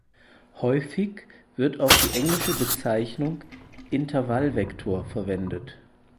Häufig wird auch die englische Bezeichnung "interval vector" verwendet.